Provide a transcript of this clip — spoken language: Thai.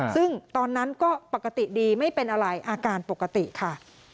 ซึ่งตอนนั้นก็ปกติดีไม่เป็นอะไรอาการปกติค่ะ